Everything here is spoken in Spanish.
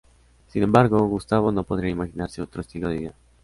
Sin embargo, Gustavo no podría imaginarse otro estilo de vida.